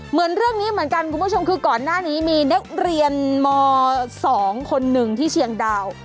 เหมือนเรื่องนี้เหมือนกันคุณผู้ชมคือก่อนหน้านี้มีนักเรียนม๒คนหนึ่งที่เชียงดาว